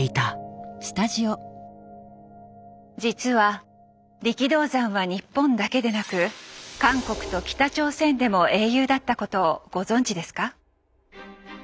実は力道山は日本だけでなく韓国と北朝鮮でも英雄だったことをご存じですか？